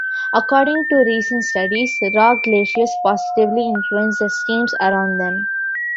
According to recent studies, rock glaciers positively influence the streams around them.